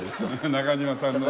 中島さんのね。